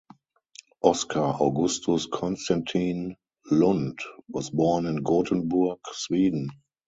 Oskar Augustus Constantine Lund was born in Gothenburg, Sweden.